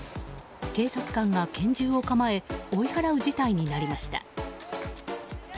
警察官が拳銃を構え追い払う事態になりました。